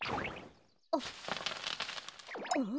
あっん？